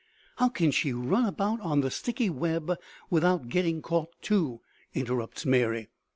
"How can she run about on the sticky web without getting caught, too?" interrupts Mary.